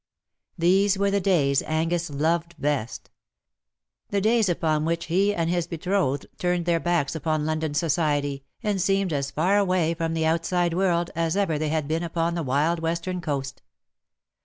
These were the days Angus loved best. The days upon which he and his betrothed turned their backs upon London society, and seemed as far away from the outside world as ever they had been upon the wild western coast.